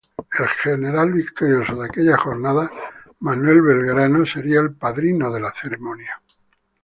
El general victorioso de aquella jornada, Manuel Belgrano sería el padrino de la ceremonia.